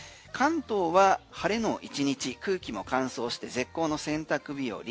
晴れの１日空気も乾燥して絶好の洗濯日和。